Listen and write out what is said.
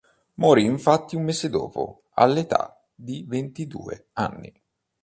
Morì infatti un mese dopo all'età di ventidue anni.